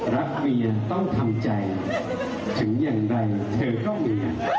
นักเรียนต้องทำใจถึงอย่างไรเธอก็มี